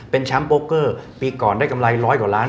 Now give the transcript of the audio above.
เป็นแชมป์โกเกอร์ปีก่อนได้กำไรร้อยกว่าล้าน